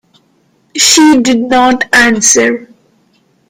She did not answer.